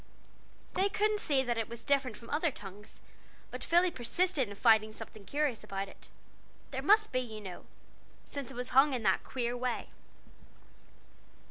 They couldn't see that it was different from other tongues, but Philly persisted in finding something curious about it; there must be, you know since it was hung in that queer way!